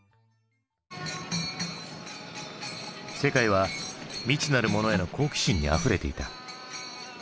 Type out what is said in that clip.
世界は未知なるものへの好奇心にあふれていた。